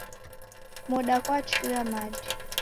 Moda ghwachua machi.